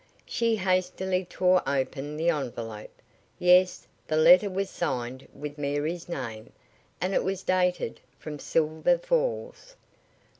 She hastily tore open the envelope. Yes, the letter was signed with Mary's name, and it was dated from Silver Falls.